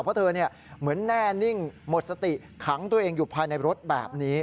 เพราะเธอเหมือนแน่นิ่งหมดสติขังตัวเองอยู่ภายในรถแบบนี้